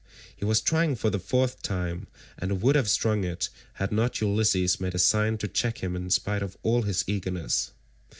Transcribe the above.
He was trying for the fourth time, and would have strung it had not Ulysses made a sign to check him in spite of all his eagerness.